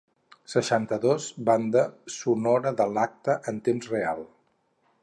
Seixanta-dos banda sonora de l'acte en temps real.